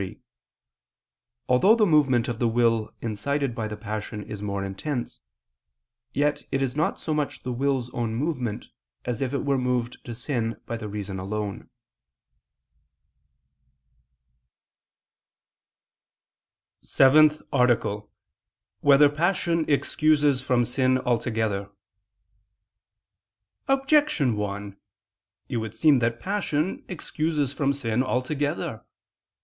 3: Although the movement of the will incited by the passion is more intense, yet it is not so much the will's own movement, as if it were moved to sin by the reason alone. ________________________ SEVENTH ARTICLE [I II, Q. 77, Art. 7] Whether Passion Excuses from Sin Altogether? Objection 1: It would seem that passion excuses from sin altogether.